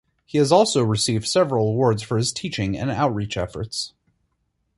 He has also received several awards for his teaching and outreach efforts.